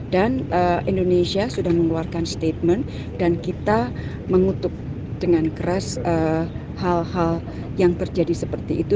dan indonesia sudah mengeluarkan statement dan kita mengutuk dengan keras hal hal yang terjadi seperti itu